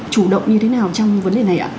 chủ động như thế nào trong vấn đề này ạ